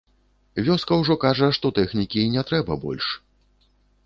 Вёска ўжо кажа, што тэхнікі не трэба больш.